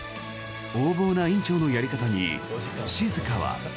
横暴な院長のやり方に静は。